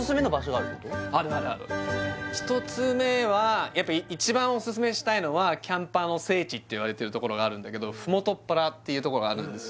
あるあるある１つ目はやっぱ一番おすすめしたいのはキャンパーの聖地っていわれてるところがあるんだけどふもとっぱらっていうところがあるんですよ